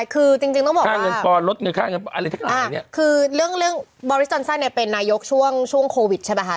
ค่าเงินปลอดลดอะไรทั้งหลายคือเรื่องบอริสต์ดอนสันเนี่ยเป็นนายกช่วงโควิดใช่ปะคะ